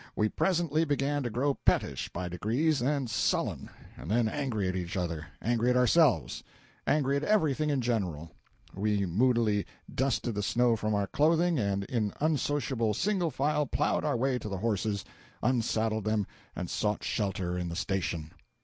We presently began to grow pettish by degrees, and sullen; and then, angry at each other, angry at ourselves, angry at everything in general, we moodily dusted the snow from our clothing and in unsociable single file plowed our way to the horses, unsaddled them, and sought shelter in the station.